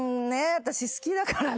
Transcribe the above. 私好きだからね。